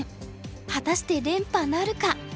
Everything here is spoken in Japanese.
果たして連覇なるか。